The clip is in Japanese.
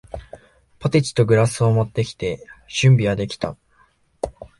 ポテチとグラスを持ってきて、準備はできた。